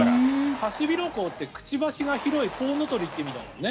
ハシビロコウってくちばしが広いコウノトリっていう意味だよね。